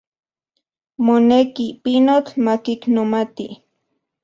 Moneki, pinotl makiknomati.